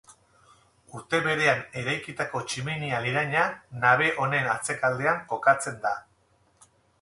Urte berean eraikitako tximinia liraina nabe honen atzealdean kokatzen da.